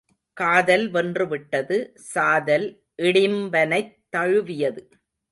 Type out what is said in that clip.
காதல் வென்றுவிட்டது சாதல் இடிம்பனைத் தழுவியது.